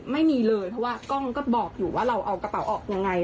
ไม่มีเลยเพราะว่ากล้องก็บอกอยู่ว่าเราเอากระเป๋าออกยังไง